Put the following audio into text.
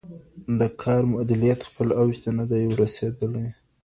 د کار مؤلديت خپل اوج ته نه و رسيدلی.